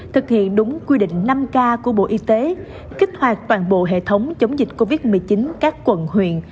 thực hiện đúng quy định năm k của bộ y tế kích hoạt toàn bộ hệ thống chống dịch covid một mươi chín các quận huyện